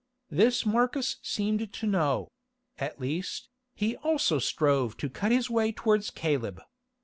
This Marcus seemed to know; at least, he also strove to cut his way towards Caleb.